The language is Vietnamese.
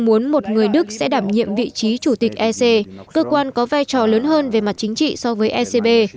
muốn một người đức sẽ đảm nhiệm vị trí chủ tịch ec cơ quan có vai trò lớn hơn về mặt chính trị so với ecb